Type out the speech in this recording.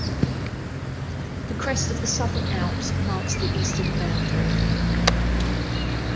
The crest of the Southern Alps marks the eastern boundary.